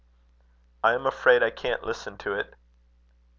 "I am afraid I can't listen to it."